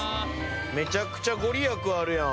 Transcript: めちゃくちゃ御利益あるやん。